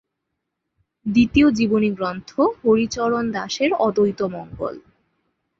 দ্বিতীয় জীবনীগ্রন্থ হরিচরণ দাসের অদ্বৈতমঙ্গল।